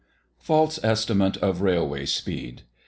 FALSE ESTIMATE OF RAILWAY SPEED.